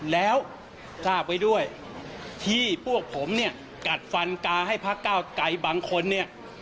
แล้วทราบไว้ด้วยที่พวกผมกัดฟันกาให้ภักดิ์ก้าวไกลบางคน